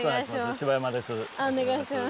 柴山です。